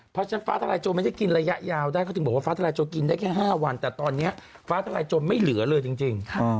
เพราะฉะนั้นฟ้าทลายโจรไม่ได้กินระยะยาวได้เขาถึงบอกว่าฟ้าทลายโจกินได้แค่๕วันแต่ตอนนี้ฟ้าทลายโจรไม่เหลือเลยจริง